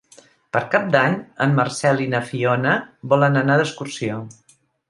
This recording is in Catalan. Per Cap d'Any en Marcel i na Fiona volen anar d'excursió.